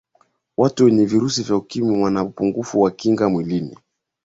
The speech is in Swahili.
Watu wenye virusi vya ukimwi wana upungufu wa kinga mwilini